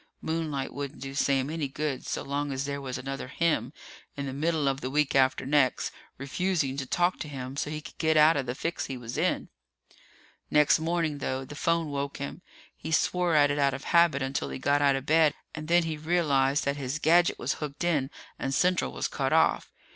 Moonlight wouldn't do Sam any good so long as there was another him in the middle of the week after next, refusing to talk to him so he could get out of the fix he was in. Next morning, though, the phone woke him. He swore at it out of habit until he got out of bed, and then he realized that his gadget was hooked in and Central was cut off.